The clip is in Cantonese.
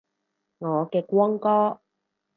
我嘅光哥